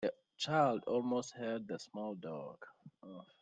The child almost hurt the small dog.